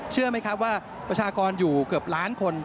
เชื่อไหมครับว่าประชากรอยู่เกือบล้านคน